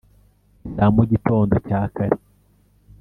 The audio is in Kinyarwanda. iza mu gitondo cya kare